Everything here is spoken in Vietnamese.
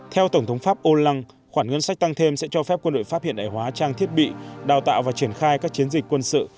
theo tổng thống pháp olan khoản ngân sách tăng thêm sẽ cho phép quân đội pháp hiện đại hóa trang thiết bị đào tạo và triển khai các chiến dịch quân sự